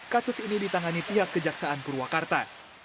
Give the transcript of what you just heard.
kasus ini ditangani pihak kejaksaan purwakarta